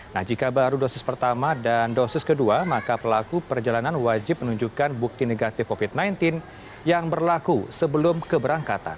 nah jika baru dosis pertama dan dosis kedua maka pelaku perjalanan wajib menunjukkan bukti negatif covid sembilan belas yang berlaku sebelum keberangkatan